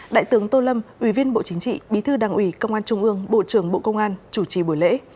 đại tướng tô lâm ủy viên bộ chính trị bí thư đảng ủy công an trung ương bộ trưởng bộ công an chủ trì buổi lễ